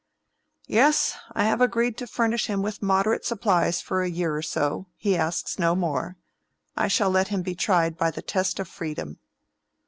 "Yes; I have agreed to furnish him with moderate supplies for a year or so; he asks no more. I shall let him be tried by the test of freedom."